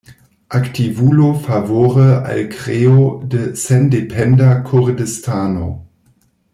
Aktivulo favore al kreo de sendependa Kurdistano.